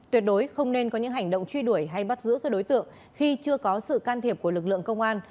tuyệt đối không nên có những hành động truy đuổi hay bắt giữ các đối tượng khi chưa có sự can thiệp của lực lượng công an